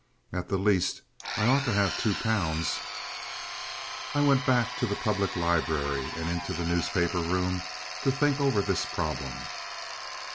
At the least I ought to have two pounds. I went back to the Public Library and into the newspaper room to think over this problem.